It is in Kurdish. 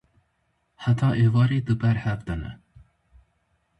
Heta êvarê di ber hev de ne.